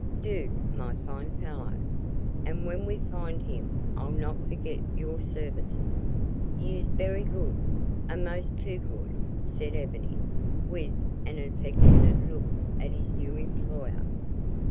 "Do, my fine fellow, and when we find him, I'll not forget your services." "You's berry good, a'most too good," said Ebony, with an affectionate look at his new employer.